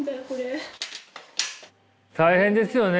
大変ですよね。